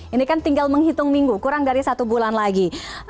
ini kan tinggal menghitung minggu kurang dari satu bulan lagi